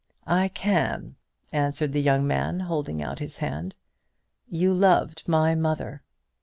"I can," answered the young man, holding out his hand, "you loved my mother."